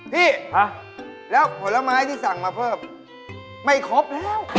พี่แล้วผลไม้ที่สั่งมาเพิ่มไม่ครบแล้ว